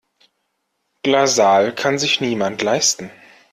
Glasaal kann sich niemand leisten.